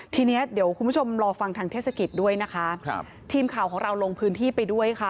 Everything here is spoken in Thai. ทีเนี้ยเดี๋ยวคุณผู้ชมรอฟังทางเทศกิจด้วยนะคะครับทีมข่าวของเราลงพื้นที่ไปด้วยค่ะ